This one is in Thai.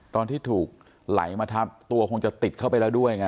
ตอนที่ถูกไหลมาทับตัวคงจะติดเข้าไปแล้วด้วยไง